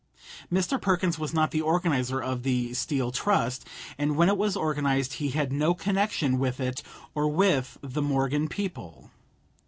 Mr. Perkins was not the organizer of the Steel Trust, and when it was organized he had no connection with it or with the Morgan people.